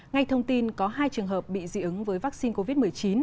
ngay thông tin có hai trường hợp bị dị ứng với vaccine covid một mươi chín